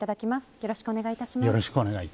よろしくお願いします。